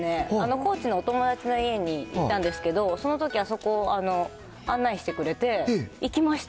高知のお友達の家に行ったんですけど、そのとき、あそこ、案内してくれて行きました。